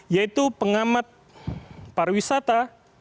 yaitu pengamat para wisata